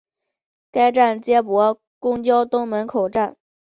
该站接驳公交东门口站。